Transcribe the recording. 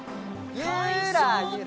ゆらゆら。